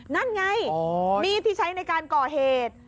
นั่นไงมีดที่ใช้ในการก่อเหตุ